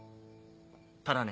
ただね